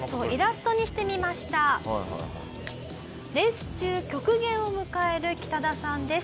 レース中極限を迎えるキタダさんです。